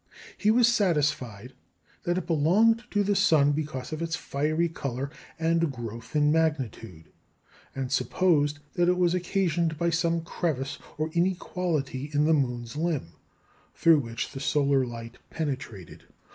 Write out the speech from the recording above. He was satisfied that it belonged to the sun because of its fiery colour and growth in magnitude, and supposed that it was occasioned by some crevice or inequality in the moon's limb, through which the solar light penetrated.